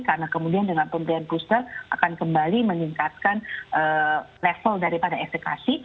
karena kemudian dengan pemberian booster akan kembali meningkatkan level daripada efekasi